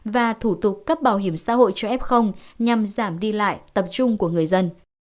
và thủ tục cấp bảo hiểm xã hội cho f nhằm giảm đi lại tập trung của người dân